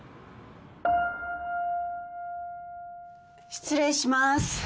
・失礼します。